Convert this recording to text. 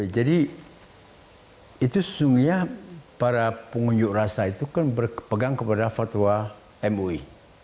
jadi itu sejumlahnya para pengunjuk rasa itu kan berpegang kepada fatwa mui